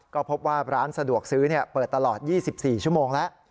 ก็พบว่าร้านสะดวกซื้อเปิดตลอด๒๔ชั่วโมงแล้ว